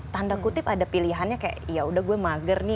tanda kutip ada pilihannya kayak yaudah gue mager nih